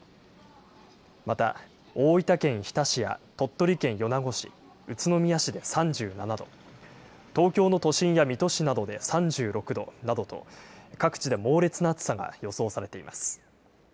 また大分県日田市や鳥取県米子市、宇都宮市で３７度、東京の都心や水戸市などで３６度などと、各地で猛烈な暑さが予想されています。